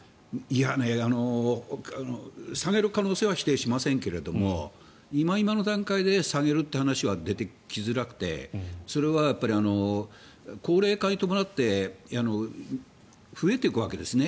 いや、下げる可能性は否定しませんけども今今の段階で下げるという話は出てきづらくてそれは高齢化に伴って増えていくわけですね。